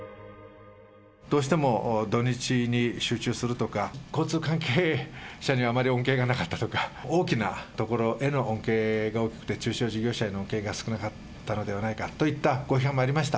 どうしても土日に集中するとか、交通関係者にはあまり恩恵がなかったとか、大きな所への恩恵が大きくて、中小事業者への恩恵が少なかったのではないかといったご批判もありました。